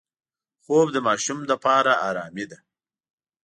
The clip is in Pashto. خوب د ماشوم لپاره آرامي ده